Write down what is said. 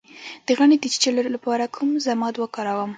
د غڼې د چیچلو لپاره کوم ضماد وکاروم؟